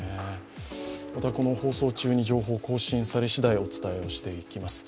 またこの放送中に情報が更新されしだいお伝えしていきたいと思います。